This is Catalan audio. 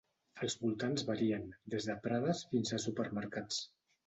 Els voltants varien, des de prades fins a supermercats.